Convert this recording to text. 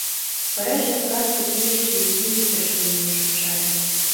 Вара шепкаште кийыше изи ӱдыржым миен шупшале: